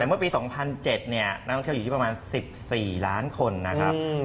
เมื่อปี๒๐๐๗นักท่องเที่ยวอยู่ที่ประมาณ๑๔ล้านคนนะครับ